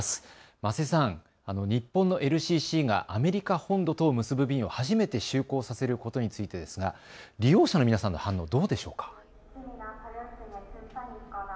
間瀬さん、日本のＬＣＣがアメリカ本土とを結ぶ便を初めて就航させることについてですが利用者の皆さんの反応どうでしょうか。